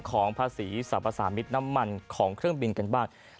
ของพระศรีสรรพสามิตน้ำมันของเครื่องบินกันบ้างครับ